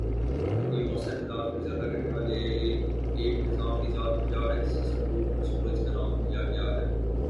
کو مؤثر انداز میں ذیادہ کرنے والا ایک نظام ایجاد کیا ہے جسے صندوق میں سورج کا نام دیا گیا ہے